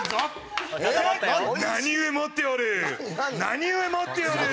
何故持っておる。